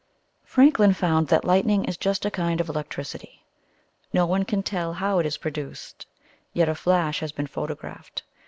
Franklin found that lightning is just a kind of electricity. No one can tell how it is produced; yet a flash has been photographed.